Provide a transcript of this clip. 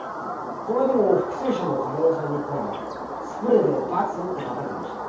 こないだも復生者のカレー屋さんに行ったらスプレーでバツって書かれてました。